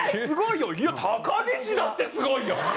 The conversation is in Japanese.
「いや高岸だってすごいよ！」。